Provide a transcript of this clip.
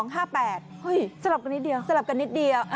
เฮ้ยสลับกันนิดเดียว